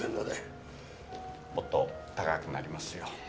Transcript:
もっと高くなりますよ。